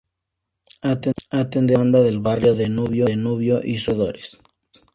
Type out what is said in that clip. Atenderá la demanda del barrio Danubio y sus alrededores.